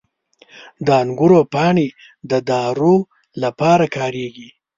• د انګورو پاڼې د دارو لپاره کارېږي.